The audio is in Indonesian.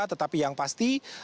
tetapi yang pasti